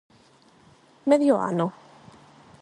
Medio ano?